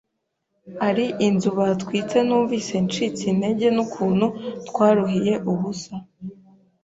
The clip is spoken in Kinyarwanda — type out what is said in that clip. ari inzu batwitse numvise ncitse intege n’ukuntu twaruhiye ubusa